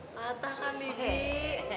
mata kan bebi